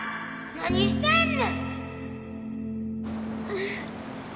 何してんねん！